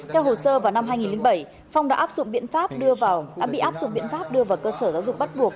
theo hồ sơ vào năm hai nghìn bảy phong đã bị áp dụng biện pháp đưa vào cơ sở giáo dục bắt buộc